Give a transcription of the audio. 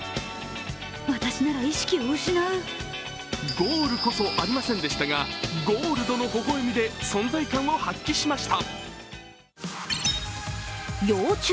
ゴールこそありませんでしたが、ゴールドのほほ笑みで存在感を発揮しました。